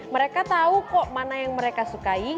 mereka tahu kok mana yang mereka sukai